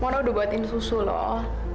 mona udah buatin susu lho